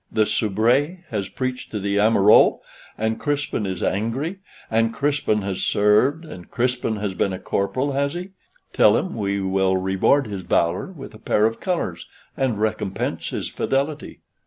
the soubrette has peached to the amoureux, and Crispin is angry, and Crispin has served, and Crispin has been a corporal, has he? Tell him we will reward his valor with a pair of colors, and recompense his fidelity."